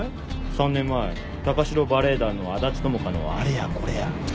３年前高城バレエ団の安達智花のあれやこれや。